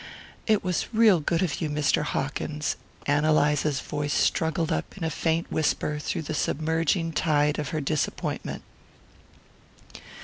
"It was real good of you, Mr. Hawkins." Ann Eliza's voice struggled up in a faint whisper through the submerging tide of her disappointment.